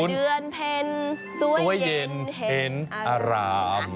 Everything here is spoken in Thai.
เดือนเพ็ญสวยเย็นเพ็ญอาราม